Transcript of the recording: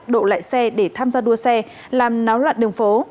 độ lại xe để tham gia đua xe làm náo loạn đường phố